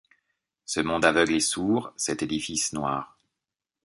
Ce monde aveugle et sourd, cet édifice noir